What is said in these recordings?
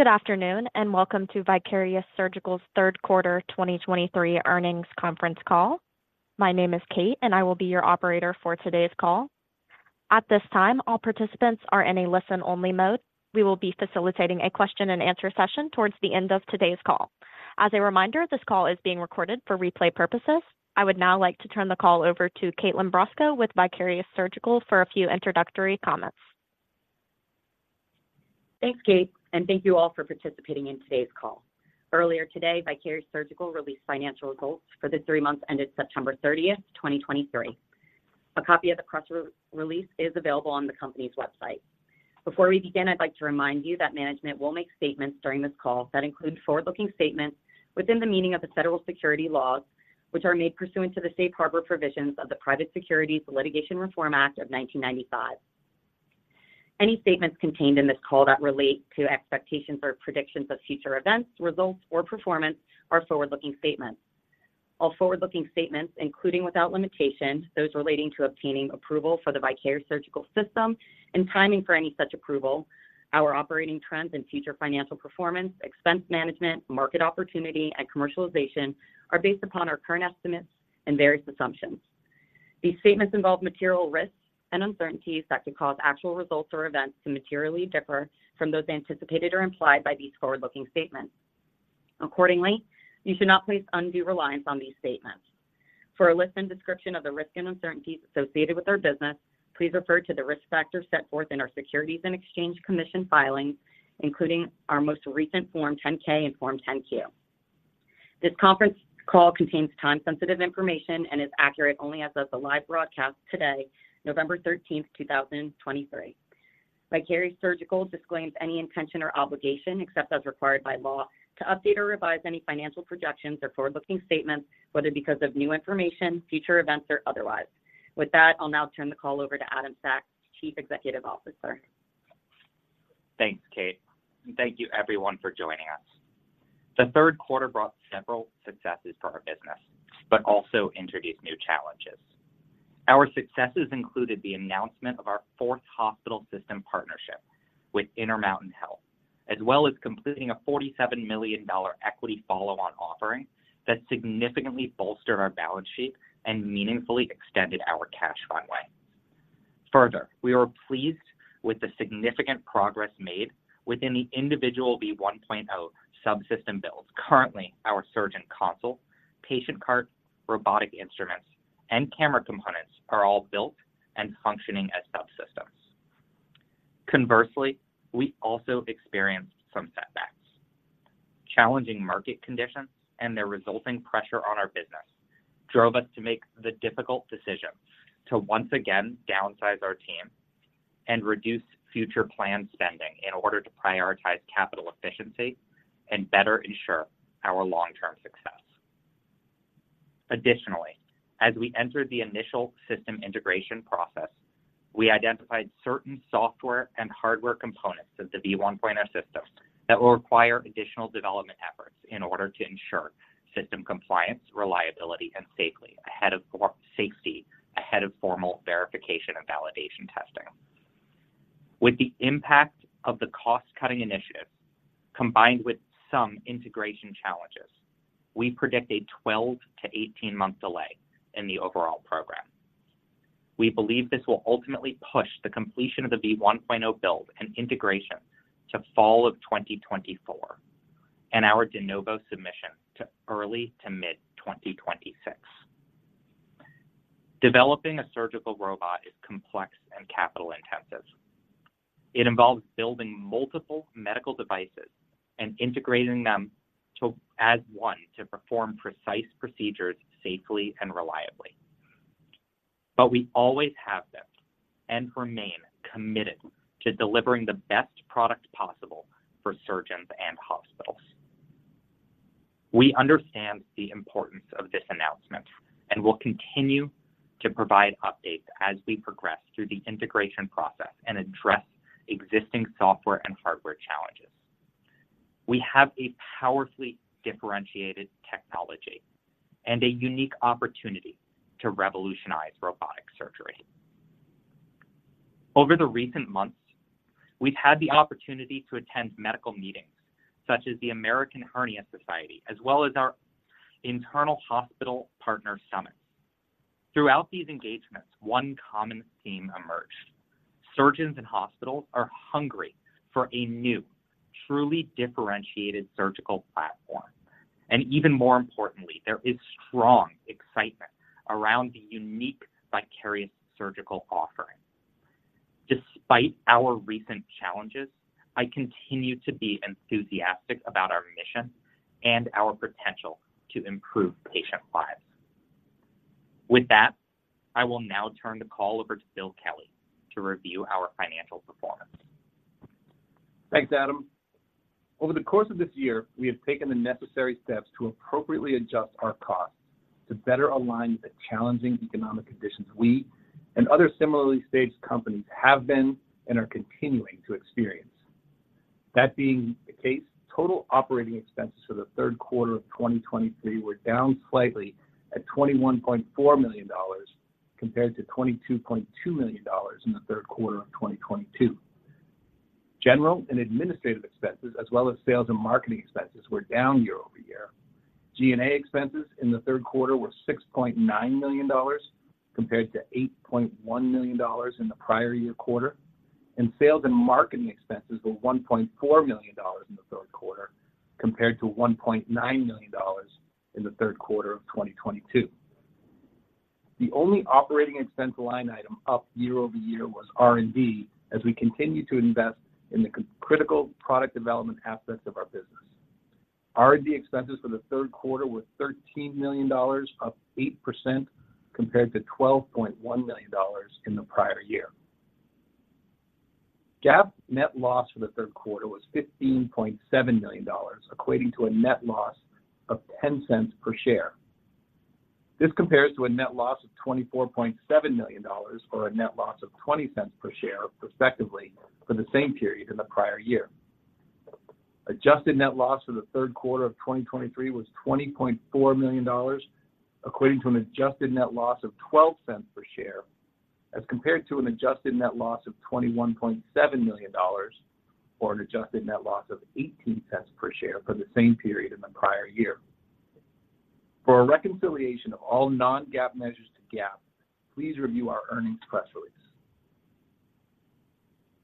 Good afternoon, and welcome to Vicarious Surgical's third quarter 2023 earnings conference call. My name is Kate, and I will be your operator for today's call. At this time, all participants are in a listen-only mode. We will be facilitating a question and answer session towards the end of today's call. As a reminder, this call is being recorded for replay purposes. I would now like to turn the call over to Kaitlyn Brosco with Vicarious Surgical for a few introductory comments. Thanks, Kate, and thank you all for participating in today's call. Earlier today, Vicarious Surgical released financial results for the three months ended September 30th, 2023. A copy of the press release is available on the company's website. Before we begin, I'd like to remind you that management will make statements during this call that include forward-looking statements within the meaning of the federal securities laws, which are made pursuant to the safe harbor provisions of the Private Securities Litigation Reform Act of 1995. Any statements contained in this call that relate to expectations or predictions of future events, results, or performance are forward-looking statements. All forward-looking statements, including without limitation, those relating to obtaining approval for the Vicarious Surgical System and timing for any such approval, our operating trends and future financial performance, expense management, market opportunity, and commercialization, are based upon our current estimates and various assumptions. These statements involve material risks and uncertainties that could cause actual results or events to materially differ from those anticipated or implied by these forward-looking statements. Accordingly, you should not place undue reliance on these statements. For a list and description of the risks and uncertainties associated with our business, please refer to the risk factors set forth in our Securities and Exchange Commission filings, including our most recent Form 10-K and Form 10-Q. This conference call contains time-sensitive information and is accurate only as of the live broadcast today, November 13th, 2023. Vicarious Surgical disclaims any intention or obligation, except as required by law, to update or revise any financial projections or forward-looking statements, whether because of new information, future events, or otherwise. With that, I'll now turn the call over to Adam Sachs, Chief Executive Officer. Thanks, Kate, and thank you everyone for joining us. The third quarter brought several successes for our business, but also introduced new challenges. Our successes included the announcement of our fourth hospital system partnership with Intermountain Health, as well as completing a $47 million equity follow-on offering that significantly bolstered our balance sheet and meaningfully extended our cash runway. Further, we were pleased with the significant progress made within the individual V1.0 subsystem builds. Currently, our surgeon console, patient cart, robotic instruments, and camera components are all built and functioning as subsystems. Conversely, we also experienced some setbacks. Challenging market conditions and their resulting pressure on our business drove us to make the difficult decision to once again downsize our team and reduce future plan spending in order to prioritize capital efficiency and better ensure our long-term success. Additionally, as we entered the initial system integration process, we identified certain software and hardware components of the V1.0 system that will require additional development efforts in order to ensure system compliance, reliability, and safety ahead of formal verification and validation testing. With the impact of the cost-cutting initiatives, combined with some integration challenges, we predict a 12-18 month delay in the overall program. We believe this will ultimately push the completion of the V1.0 build and integration to fall of 2024, and our De Novo submission to early to mid-2026. Developing a surgical robot is complex and capital intensive. It involves building multiple medical devices and integrating them as one to perform precise procedures safely and reliably. But we always have been and remain committed to delivering the best product possible for surgeons and hospitals. We understand the importance of this announcement and will continue to provide updates as we progress through the integration process and address existing software and hardware challenges. We have a powerfully differentiated technology and a unique opportunity to revolutionize robotic surgery. Over the recent months, we've had the opportunity to attend medical meetings such as the American Hernia Society, as well as our internal hospital partner summits. Throughout these engagements, one common theme emerged: surgeons and hospitals are hungry for a new, truly differentiated surgical platform, and even more importantly, there is strong excitement around the unique Vicarious Surgical offering. Despite our recent challenges, I continue to be enthusiastic about our mission and our potential to improve patient lives. With that, I will now turn the call over to Bill Kelly to review our financial performance. Thanks, Adam. Over the course of this year, we have taken the necessary steps to appropriately adjust our costs to better align with the challenging economic conditions we and other similarly staged companies have been and are continuing to experience. That being the case, total operating expenses for the third quarter of 2023 were down slightly at $21.4 million compared to $22.2 million in the third quarter of 2022. General and administrative expenses, as well as sales and marketing expenses, were down year-over-year. G&A expenses in the third quarter were $6.9 million, compared to $8.1 million in the prior year quarter, and sales and marketing expenses were $1.4 million in the third quarter, compared to $1.9 million in the third quarter of 2022. The only operating expense line item up year-over-year was R&D, as we continue to invest in the critical product development aspects of our business. R&D expenses for the third quarter were $13 million, up 8% compared to $12.1 million in the prior year. GAAP net loss for the third quarter was $15.7 million, equating to a net loss of $0.10 per share. This compares to a net loss of $24.7 million, or a net loss of $0.20 per share, respectively, for the same period in the prior year. Adjusted net loss for the third quarter of 2023 was $20.4 million, equating to an adjusted net loss of $0.12 per share, as compared to an adjusted net loss of $21.7 million, or an adjusted net loss of $0.18 per share for the same period in the prior year. For a reconciliation of all non-GAAP measures to GAAP, please review our earnings press release.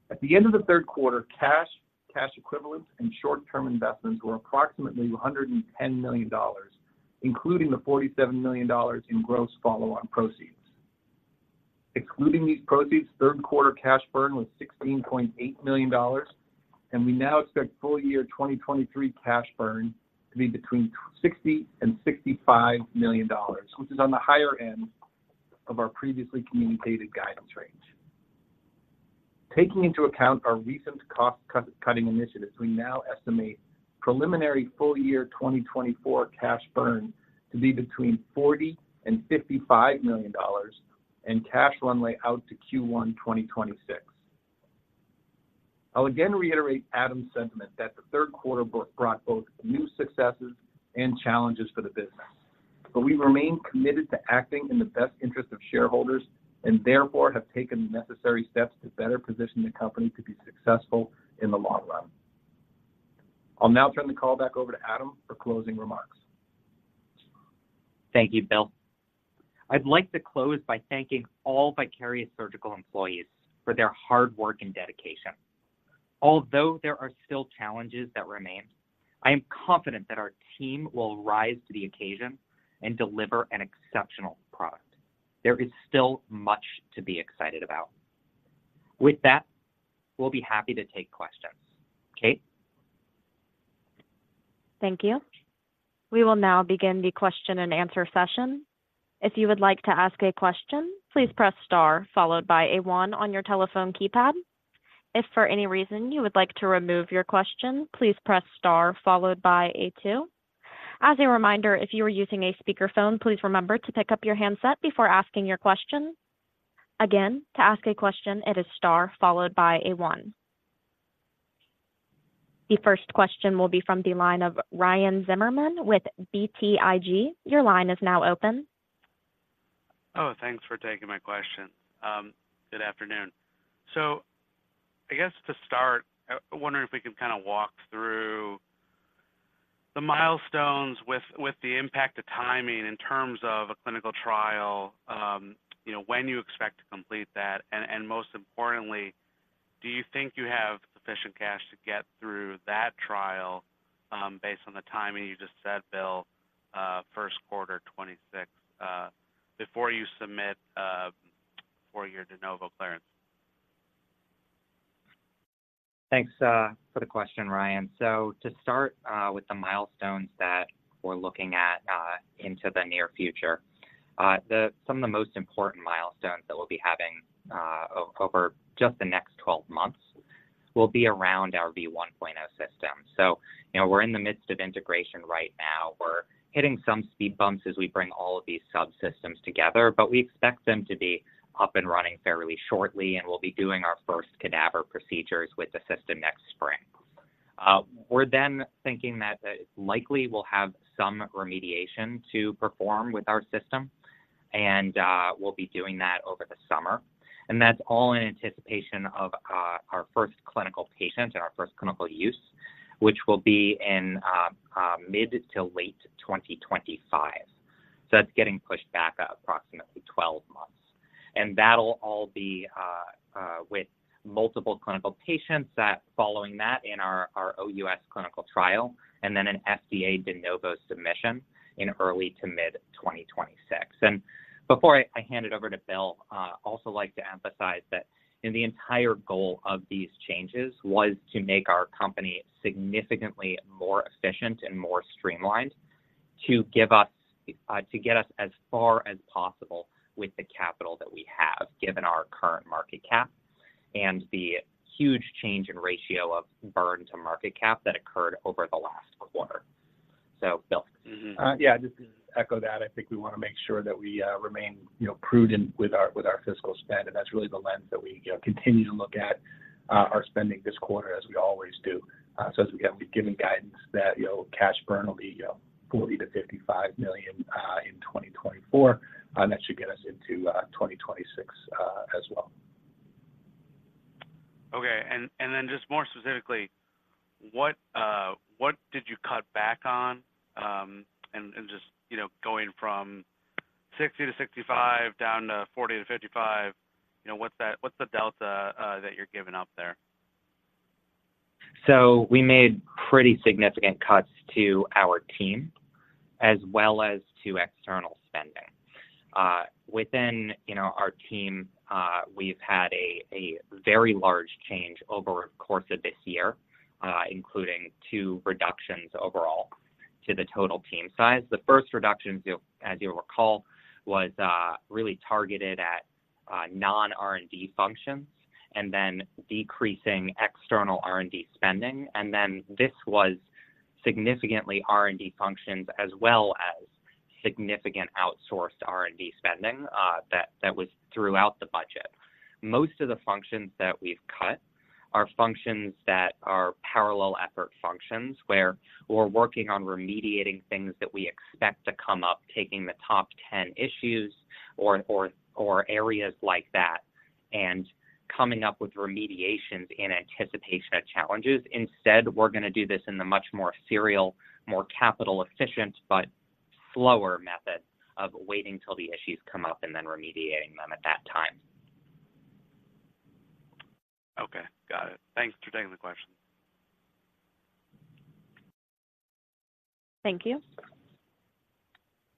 At the end of the third quarter, cash, cash equivalents, and short-term investments were approximately $110 million, including the $47 million in gross follow-on proceeds. Excluding these proceeds, third quarter cash burn was $16.8 million, and we now expect full year 2023 cash burn to be between $60 million and $65 million, which is on the higher end of our previously communicated guidance range. Taking into account our recent cost-cutting initiatives, we now estimate preliminary full year 2024 cash burn to be between $40 million and $55 million and cash runway out to Q1 2026. I'll again reiterate Adam's sentiment that the third quarter brought both new successes and challenges for the business. But we remain committed to acting in the best interest of shareholders, and therefore, have taken the necessary steps to better position the company to be successful in the long run. I'll now turn the call back over to Adam for closing remarks. Thank you, Bill. I'd like to close by thanking all Vicarious Surgical employees for their hard work and dedication. Although there are still challenges that remain, I am confident that our team will rise to the occasion and deliver an exceptional product. There is still much to be excited about. With that, we'll be happy to take questions. Kate? Thank you. We will now begin the question and answer session. If you would like to ask a question, please press star followed by a one on your telephone keypad. If for any reason you would like to remove your question, please press star followed by a two. As a reminder, if you are using a speakerphone, please remember to pick up your handset before asking your question. Again, to ask a question, it is star followed by a one. The first question will be from the line of Ryan Zimmerman with BTIG. Your line is now open. Oh, thanks for taking my question. Good afternoon. So I guess to start, I wonder if we can kinda walk through the milestones with the impact of timing in terms of a clinical trial, you know, when you expect to complete that, and most importantly, do you think you have sufficient cash to get through that trial, based on the timing you just said, Bill, first quarter 2026, before you submit for your de novo clearance? Thanks, for the question, Ryan. So to start, with the milestones that we're looking at, into the near future, some of the most important milestones that we'll be having, over just the next 12 months will be around our V1.0 system. So, you know, we're in the midst of integration right now. We're hitting some speed bumps as we bring all of these subsystems together, but we expect them to be up and running fairly shortly, and we'll be doing our first cadaver procedures with the system next spring. We're then thinking that, likely we'll have some remediation to perform with our system, and, we'll be doing that over the summer. And that's all in anticipation of, our first clinical patient and our first clinical use, which will be in, mid- to late 2025. So that's getting pushed back approximately 12 months. And that'll all be with multiple clinical patients that following that in our OUS clinical trial, and then an FDA de novo submission in early to mid-2026. And before I hand it over to Bill, I also like to emphasize that in the entire goal of these changes was to make our company significantly more efficient and more streamlined, to give us to get us as far as possible with the capital that we have, given our current market cap and the huge change in ratio of burn to market cap that occurred over the last quarter. So, Bill. Yeah, just to echo that, I think we want to make sure that we remain, you know, prudent with our, with our fiscal spend, and that's really the lens that we, you know, continue to look at our spending this quarter, as we always do. So as we have been giving guidance that, you know, cash burn will be $40 million-$55 million in 2024, that should get us into 2026, as well. Okay. Then just more specifically, what did you cut back on? And just, you know, going from 60-65 down to 40-55, you know, what's that, what's the delta that you're giving up there? So we made pretty significant cuts to our team as well as to external spending. Within, you know, our team, we've had a very large change over the course of this year, including two reductions overall to the total team size. The first reduction, as you'll recall, was really targeted at non-R&D functions and then decreasing external R&D spending. And then this was significantly R&D functions as well as significant outsourced R&D spending, that was throughout the budget. Most of the functions that we've cut are functions that are parallel effort functions, where we're working on remediating things that we expect to come up, taking the top 10 issues or areas like that, and coming up with remediations in anticipation of challenges. Instead, we're gonna do this in a much more serial, more capital efficient, but slower method of waiting till the issues come up and then remediating them at that time. Okay, got it. Thanks for taking the question. Thank you.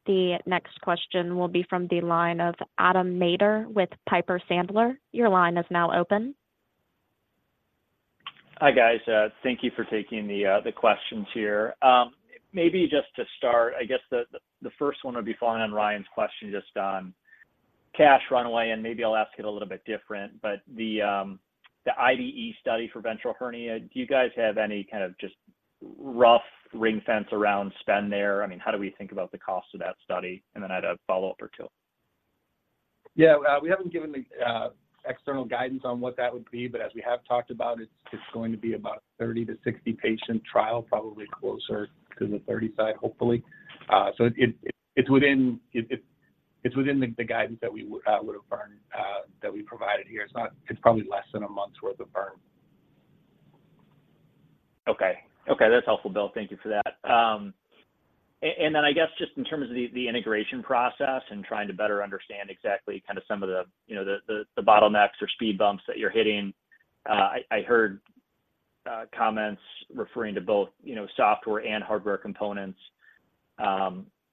The next question will be from the line of Adam Maeder with Piper Sandler. Your line is now open. Hi, guys. Thank you for taking the questions here. Maybe just to start, I guess the first one would be following on Ryan's question just on cash runway, and maybe I'll ask it a little bit different. But the IDE study for ventral hernia, do you guys have any kind of just rough ring fence around spend there? I mean, how do we think about the cost of that study? And then I'd have a follow-up or two. Yeah, we haven't given the external guidance on what that would be, but as we have talked about, it's going to be about a 30-60 patient trial, probably closer to the 30 side, hopefully. So it's within the guidance that we would have burned that we provided here. It's not. It's probably less than a month's worth of burn. Okay. Okay, that's helpful, Bill. Thank you for that. And then I guess just in terms of the integration process and trying to better understand exactly kind of some of the, you know, the bottlenecks or speed bumps that you're hitting, I heard comments referring to both, you know, software and hardware components.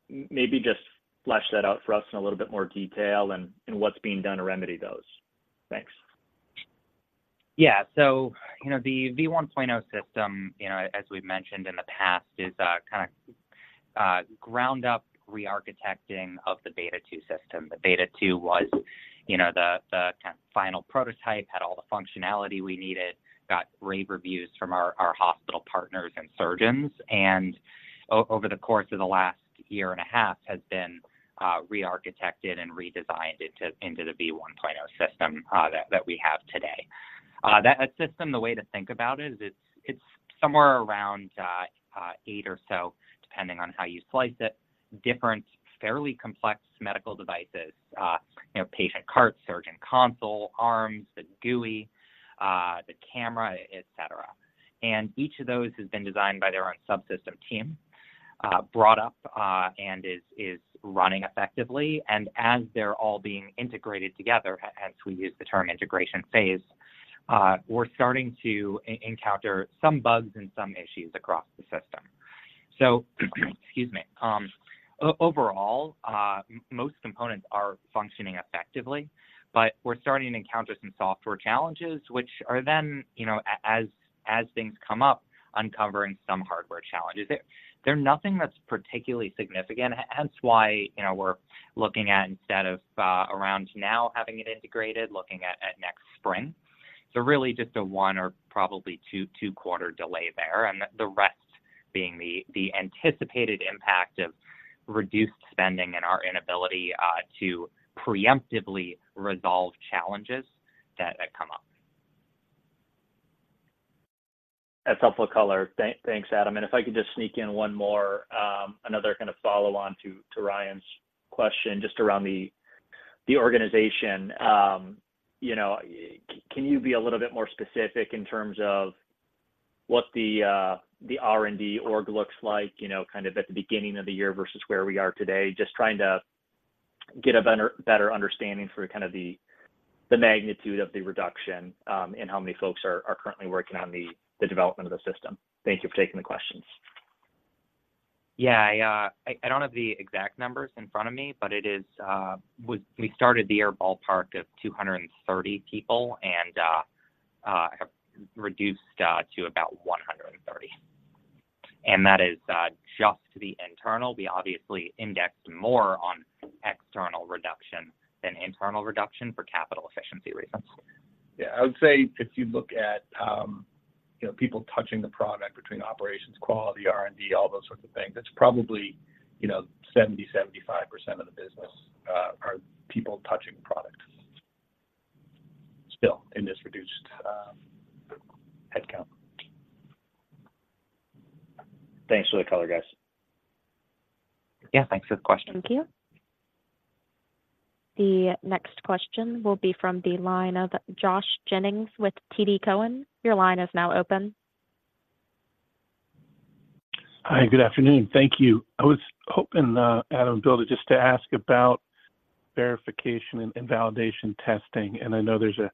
Maybe just flesh that out for us in a little bit more detail and what's being done to remedy those. Thanks. Yeah. So, you know, the V1.0 System, you know, as we've mentioned in the past, is kind of ground up rearchitecting of the Beta 2 system. The Beta 2 was, you know, the kind of final prototype, had all the functionality we needed, got rave reviews from our hospital partners and surgeons, and over the course of the last year and a half, has been rearchitected and redesigned into the V1.0 System that we have today. That system, the way to think about it is, it's somewhere around eight or so, depending on how you slice it, different fairly complex medical devices, you know, patient cart, surgeon console, arms, the GUI, the camera, et cetera. And each of those has been designed by their own subsystem team, brought up, and is running effectively. As they're all being integrated together, hence we use the term integration phase, we're starting to encounter some bugs and some issues across the system. So, excuse me, overall, most components are functioning effectively, but we're starting to encounter some software challenges, which are then, you know, as things come up, uncovering some hardware challenges. They're nothing that's particularly significant. Hence why, you know, we're looking at, instead of around now, having it integrated, looking at next spring. So really just a one or probably two two-quarter delay there, and the rest being the anticipated impact of reduced spending and our inability to preemptively resolve challenges that come up. That's helpful color. Thanks, Adam. And if I could just sneak in one more, another kind of follow-on to Ryan's question, just around the organization. You know, can you be a little bit more specific in terms of what the R&D org looks like, you know, kind of at the beginning of the year versus where we are today? Just trying to get a better understanding for kind of the magnitude of the reduction, and how many folks are currently working on the development of the system. Thank you for taking the questions. Yeah, I don't have the exact numbers in front of me, but it is, we started the year ballpark of 230 people, and have reduced to about 130. And that is just the internal. We obviously indexed more on external reduction than internal reduction for capital efficiency reasons. Yeah, I would say if you look at, you know, people touching the product between operations, quality, R&D, all those sorts of things, it's probably, you know, 70%-75% of the business are people touching the product, still in this reduced time. Thanks for the color, guys. Yeah, thanks for the question. Thank you. The next question will be from the line of Josh Jennings with TD Cowen. Your line is now open. Hi, good afternoon. Thank you. I was hoping, Adam and Bill, just to ask about verification and validation testing. And I know there's a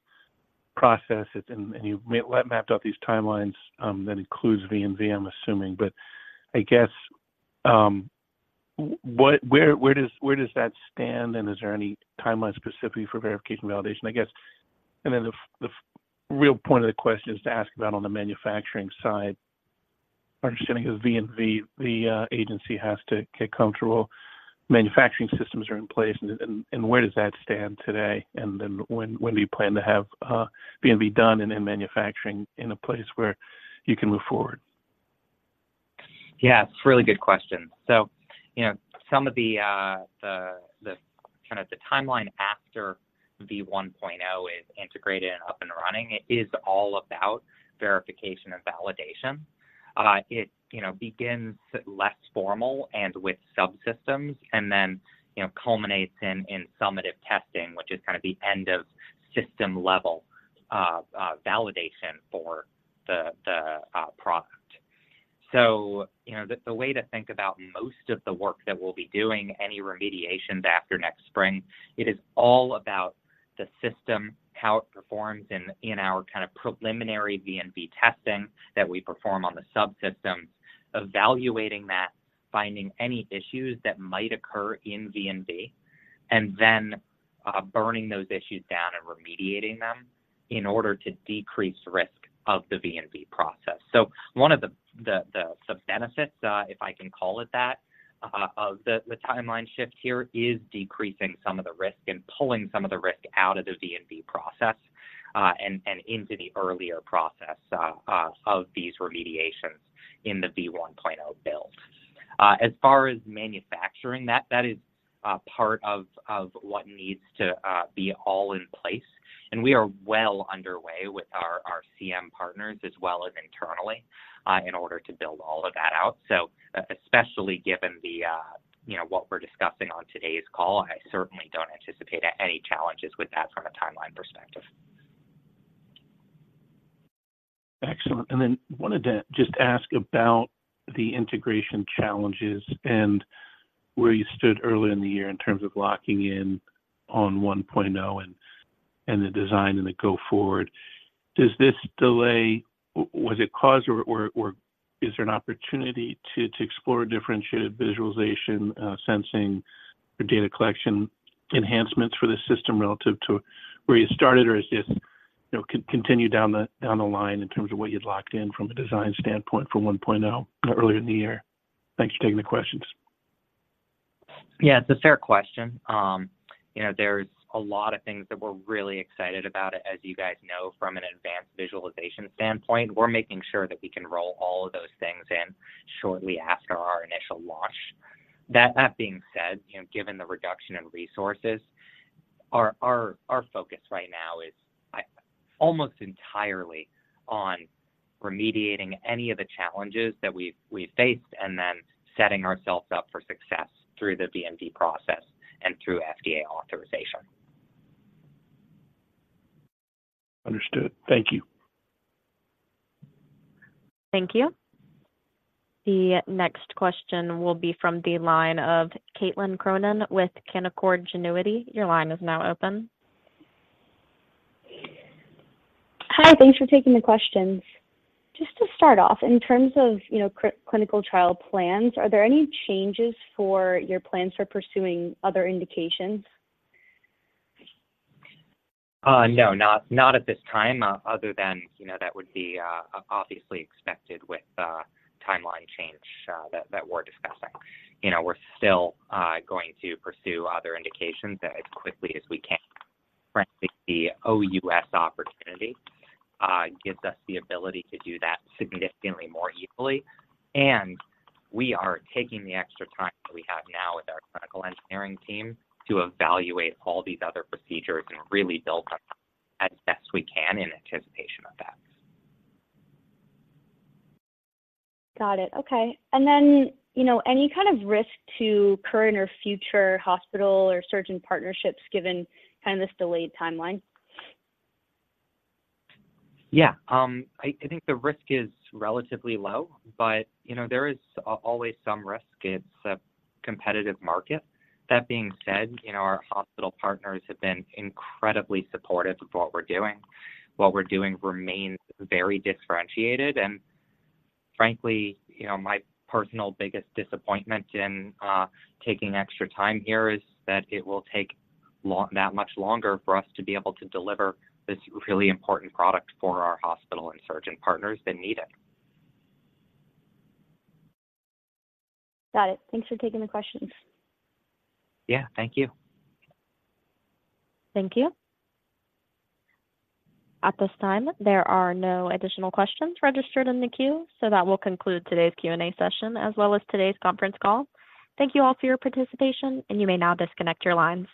process, and you mapped out these timelines, that includes V&V, I'm assuming. But I guess, where does that stand? And is there any timeline specifically for verification and validation, I guess? And then the real point of the question is to ask about on the manufacturing side. My understanding is V&V, the agency has to get comfortable manufacturing systems are in place, and where does that stand today? And then when do you plan to have V&V done and then manufacturing in a place where you can move forward? Yeah, it's a really good question. So, you know, some of the kind of timeline after V1.0 is integrated and up and running, it is all about verification and validation. It, you know, begins less formal and with subsystems, and then, you know, culminates in summative testing, which is kind of the end of system-level validation for the product. So, you know, the way to think about most of the work that we'll be doing, any remediations after next spring, it is all about the system, how it performs in our kind of preliminary V&V testing that we perform on the subsystems, evaluating that, finding any issues that might occur in V&V, and then, burning those issues down and remediating them in order to decrease risk of the V&V process. So one of the sub-benefits, if I can call it that, of the timeline shift here is decreasing some of the risk and pulling some of the risk out of the V&V process, and into the earlier process of these remediations in the V1.0 build. As far as manufacturing, that is part of what needs to be all in place, and we are well underway with our CM partners as well as internally in order to build all of that out. So especially given, you know, what we're discussing on today's call, I certainly don't anticipate any challenges with that from a timeline perspective. Excellent. Then wanted to just ask about the integration challenges and where you stood earlier in the year in terms of locking in on 1.0 and the design and the go forward. Does this delay, was it caused or is there an opportunity to explore differentiated visualization, sensing or data collection enhancements for the system relative to where you started? Or is this, you know, continue down the line in terms of what you'd locked in from a design standpoint for 1.0 earlier in the year? Thanks for taking the questions. Yeah, it's a fair question. You know, there's a lot of things that we're really excited about, as you guys know, from an advanced visualization standpoint. We're making sure that we can roll all of those things in shortly after our initial launch. That being said, you know, given the reduction in resources, our focus right now is almost entirely on remediating any of the challenges that we've faced and then setting ourselves up for success through the V&V process and through FDA authorization. Understood. Thank you. Thank you. The next question will be from the line of Caitlin Cronin with Canaccord Genuity. Your line is now open. Hi, thanks for taking the questions. Just to start off, in terms of, you know, clinical trial plans, are there any changes for your plans for pursuing other indications? No, not at this time, other than, you know, that would be obviously expected with the timeline change, that we're discussing. You know, we're still going to pursue other indications as quickly as we can. Frankly, the OUS opportunity gives us the ability to do that significantly more easily, and we are taking the extra time that we have now with our clinical engineering team to evaluate all these other procedures and really build them as best we can in anticipation of that. Got it. Okay. And then, you know, any kind of risk to current or future hospital or surgeon partnerships, given kind of this delayed timeline? Yeah, I think the risk is relatively low, but, you know, there is always some risk. It's a competitive market. That being said, you know, our hospital partners have been incredibly supportive of what we're doing. What we're doing remains very differentiated. And frankly, you know, my personal biggest disappointment in taking extra time here is that it will take that much longer for us to be able to deliver this really important product for our hospital and surgeon partners that need it. Got it. Thanks for taking the questions. Yeah, thank you. Thank you. At this time, there are no additional questions registered in the queue, so that will conclude today's Q&A session, as well as today's conference call. Thank you all for your participation, and you may now disconnect your lines.